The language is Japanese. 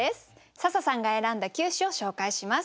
笹さんが選んだ９首を紹介します。